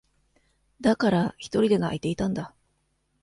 だから、ひとりで泣いていたんだ。